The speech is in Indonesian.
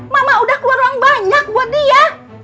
mama udah keluar uang banyak buat dia